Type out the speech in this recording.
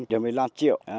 được một mươi năm triệu